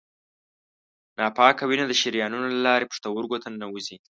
ناپاکه وینه د شریانونو له لارې پښتورګو ته ننوزي.